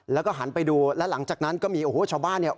แล้วก็หันไปดูแล้วหลังจากนั้นก็มีโอ้โหชาวบ้านเนี่ย